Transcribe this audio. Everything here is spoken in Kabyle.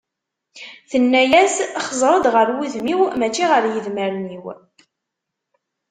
Tenna-yas xẓer-d ɣer wudem-iw, mačči ɣer yedmaren-iw.